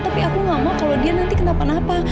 tapi aku gak mau kalau dia nanti kenapa napa